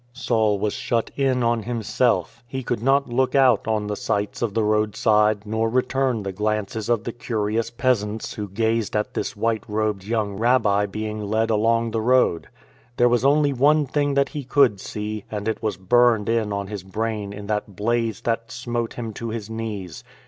Saul was shut in on himself. He could not look out on the sights of the roadside nor return the glances of the curious peasants who gazed at this white robed ,young Rabbi being led along the road. There was only one thing that he could see, and it was burned in on his brain in that blaze that smote him to his knees.